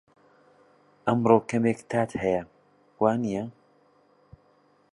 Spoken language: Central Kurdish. ئەمڕۆ کەمێک تات هەیە، وانییە؟